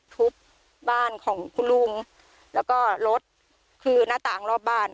ทุบบ้านของคุณลุงแล้วก็รถคือหน้าต่างรอบบ้าน